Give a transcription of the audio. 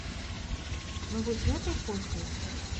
Ну вось гэтай фоткай?